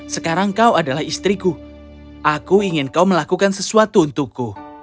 sekarang kau adalah istriku aku ingin kau melakukan sesuatu untukku